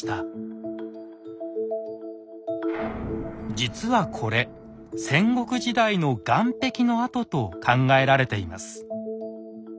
実はこれ戦国時代の岸壁の跡と考えられています。